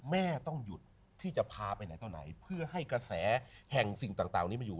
แม่ต้องหยุดที่จะพาไปไหนต่อไหนเพื่อให้กระแสแห่งสิ่งต่างนี้มาอยู่